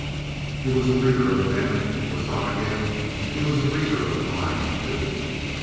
He was a reader of men, was Donnegan; he was a reader of mind, too.